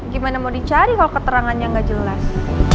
gimana mau dicari kalau keterangannya nggak jelas